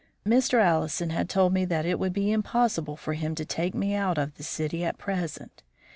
Mr. Allison had told me that it would be impossible for him to take me out of the city at present.